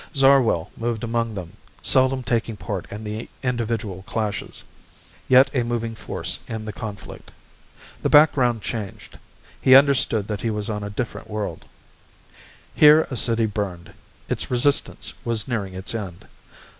Zarwell moved among them, seldom taking part in the individual clashes, yet a moving force in the conflict. The background changed. He understood that he was on a different world. Here a city burned. Its resistance was nearing its end.